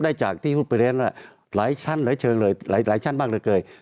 ได้จากที่หุดเปรียร์แล้วละหลายชั้นหลายเชิงเลยหลายหลายชั้นบ้างเลยเกย